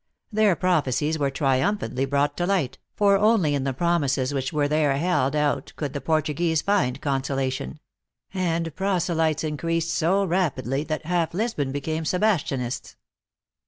Their prophecies were triumphantly brought to light, for only in the promises which were there held out could the Port uguese find consolation ; and proselytes increased so rapidly, that half Lisbon became Sebastianists.